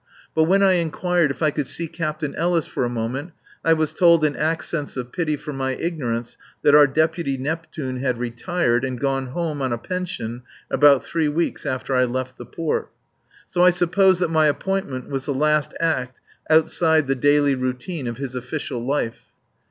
But when I inquired if I could see Captain Ellis for a moment I was told in accents of pity for my ignorance that our deputy Neptune had retired and gone home on a pension about three weeks after I left the port. So I suppose that my appointment was the last act, outside the daily routine, of his official life.